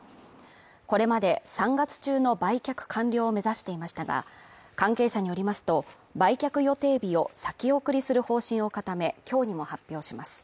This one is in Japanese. これまで、３月中の売却完了を目指していましたが、関係者によりますと売却予定日を先送りする方針を固め、今日にも発表します。